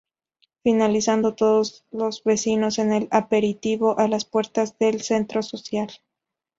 Finalizando todos los vecinos en el aperitivo a las puertas del centro social.